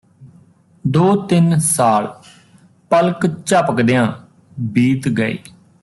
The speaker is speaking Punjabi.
ਦੋ ਤਿੰਨ ਸਾਲ ਪਲਕ ਝਪਕਦਿਆਂ ਬੀਤ ਗਏ